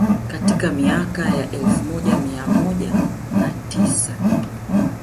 Katika miaka ya elfu moja mia moja na tisa